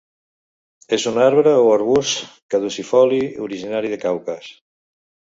És un arbre o arbust caducifoli originari del Caucas.